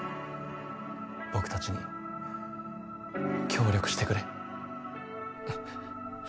ぼくたちに協力してくれ。